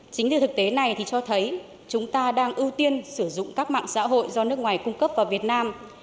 chính từ thực tế này thì cho thấy chúng ta đang ưu tiên sử dụng các mạng xã hội do nước ngoài cung cấp vào việt nam